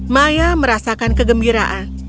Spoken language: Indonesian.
maya merasakan kegembiraan